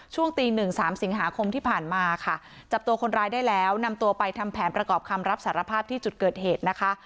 ช่วงตีหนึ่งสามสิงหาคมที่ผ่านมาค่ะจับตัวคนร้ายได้แล้วนำตัวไปทำแผนประกอบคำรับสารภาพที่จุดเกิดเหตุนะคะ